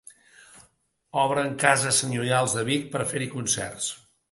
Obren cases senyorials de Vic per fer-hi concerts